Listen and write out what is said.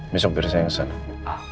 besok dari saya yang setemba